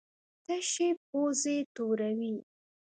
تشې پوزې توروي.